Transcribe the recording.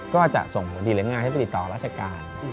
ก็จะส่งผลดีหรืองานให้ไปติดต่อราชการ